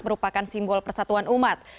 merupakan simbol persatuan umat